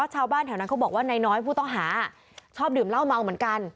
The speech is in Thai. ชอบดื่มเหล้าเมาเหมือนกัน